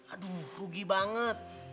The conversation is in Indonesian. aduh rugi banget